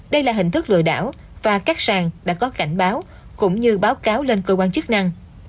đây là hình thức lừa đảo và các sàn đã có cảnh báo cũng như báo cáo lên cơ quan chức năng